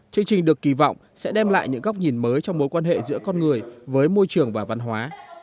chương trình được kỳ vọng sẽ đem lại những góc nhìn mới trong mối quan hệ giữa con người với môi trường và văn hóa